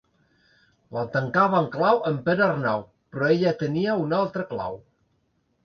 La tancava amb clau en Pere Arnau, però ella tenia una altra clau.